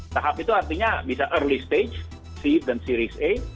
tahap itu artinya bisa early stage c dan series a